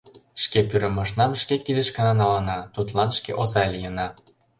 Шке пӱрымашнам шке кидышкына налына, тудлан шке оза лийына.